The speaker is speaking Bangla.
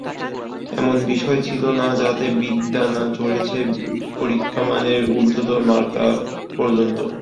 এমন বিষয় ছিল না যাতে বিদ্যা না চড়েছে পরীক্ষামানের ঊর্ধ্বতম মার্কা পর্যন্ত।